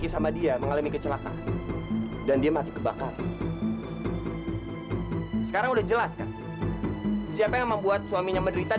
sampai jumpa di video selanjutnya